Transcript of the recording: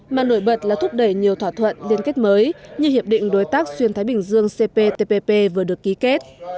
mà nổi bật là thúc đẩy nhiều thỏa thuận liên kết mới như hiệp định đối tác xuyên thái bình dương cptpp vừa được ký kết